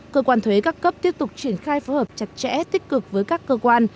cơ quan thuế các cấp tiếp tục triển khai phối hợp chặt chẽ tích cực với các cơ quan